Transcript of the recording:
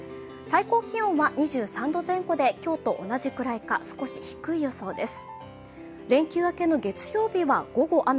最高気温は２３度前後で今日と同じくらいか少し低いよそうです。